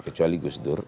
kecuali gus dur